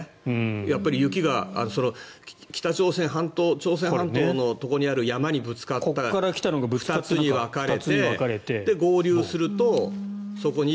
やっぱり雪が朝鮮半島のところにある山にぶつかって２つに分かれて合流するとそこに。